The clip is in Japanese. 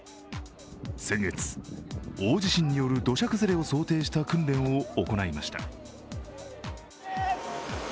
先月、大地震による土砂崩れを想定した訓練を行いました。